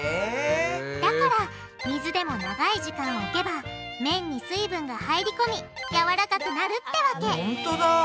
だから水でも長い時間おけばめんに水分が入り込みやわらかくなるってわけほんとだ。